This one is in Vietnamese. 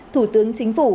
thủ tướng chính phủ